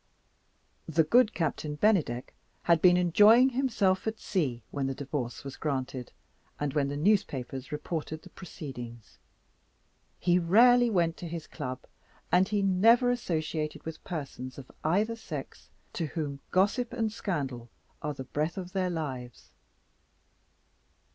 The good Bennydeck had been enjoying himself at sea when the Divorce was granted, and when the newspapers reported the proceedings. He rarely went to his club, and he never associated with persons of either sex to whom gossip and scandal are as the breath of their lives.